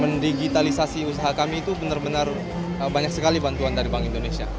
mendigitalisasi usaha kami itu benar benar banyak sekali bantuan dari bank indonesia